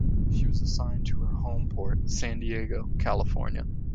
She was assigned to her home port, San Diego, California.